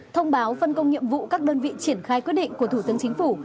thông báo phân công nhiệm vụ các đơn vị triển khai quyết định của thủ tướng chính phủ